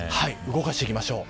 動かしていきましょう。